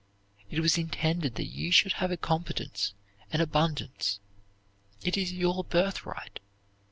It was intended that you should have a competence, an abundance. It is your birthright.